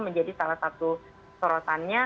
menjadi salah satu sorotannya